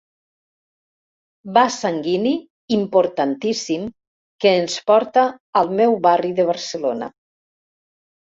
Vas sanguini importantíssim que ens porta al meu barri de Barcelona.